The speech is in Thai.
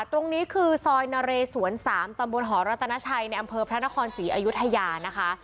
ตรงนี้คือซอยนเรสวน๓ตำบลหอรัตนาชัยในอำเภอพระนครศรีอยุธยานะคะ